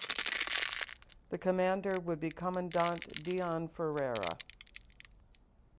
The commander would be Commandant Deon Ferreira.